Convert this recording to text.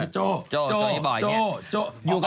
โจโจโจ